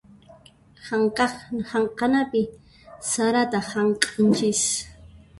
Hamk'anapi sarata hamk'anchis.